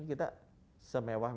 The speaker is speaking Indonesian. kita semewah menjaga